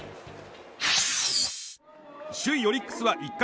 首位オリックスは１回